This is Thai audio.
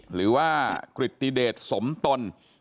หรือว่ากริตติเดชสมตน